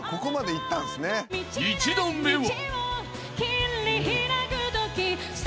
［１度目は］